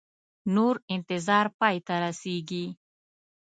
نور انتظار پای ته رسیږي